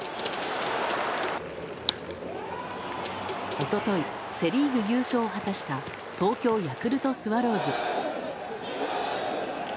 一昨日セ・リーグ優勝を果たした東京ヤクルトスワローズ。